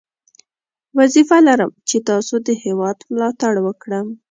وظیفه لرم چې ستاسو د هیواد ملاتړ وکړم.